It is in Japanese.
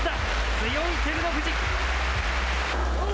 強い照ノ富士。